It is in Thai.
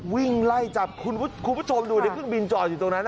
วิ่งไล่จับคุณผู้ชมดูเดี๋ยวขึ้นบินจอดอยู่ตรงนั้น